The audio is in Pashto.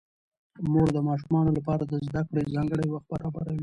مور د ماشومانو لپاره د زده کړې ځانګړی وخت برابروي